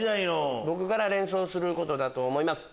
僕から連想することだと思います。